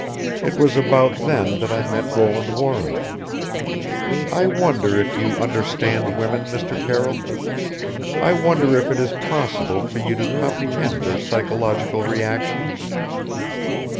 It was about then that I met Roland Warren. "I wonder if you understand women, Mr. Carroll? I wonder if it is possible for you to comprehend their psychological reactions?